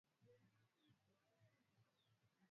Kuharisha damu na kinyesi cha harufu mbaya